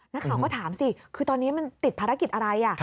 นักข่าวก็ถามสิคือตอนนี้มันติดภารกิจอะไร